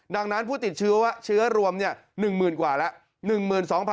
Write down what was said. ดังนั้นผู้ติดเชื้อเชื้อรวม๑๐๐๐กว่าแล้ว